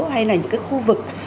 hay là những khu vực